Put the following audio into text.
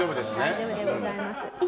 大丈夫でございます。